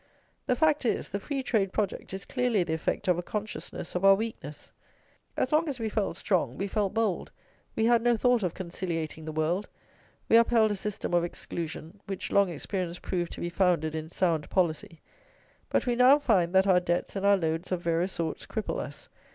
The fact is, the "free trade" project is clearly the effect of a consciousness of our weakness. As long as we felt strong, we felt bold, we had no thought of conciliating the world; we upheld a system of exclusion, which long experience proved to be founded in sound policy. But we now find that our debts and our loads of various sorts cripple us.